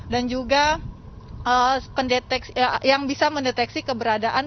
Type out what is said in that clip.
dan juga yang bisa mendeteksi keberadaan